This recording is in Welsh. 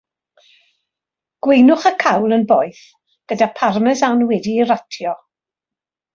Gweinwch y cawl yn boeth, gyda Parmesan wedi'i ratio.